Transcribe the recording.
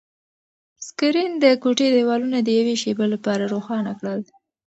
سکرین د کوټې دیوالونه د یوې شېبې لپاره روښانه کړل.